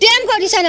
diam kau di sana